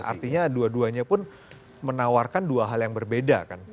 artinya dua duanya pun menawarkan dua hal yang berbeda kan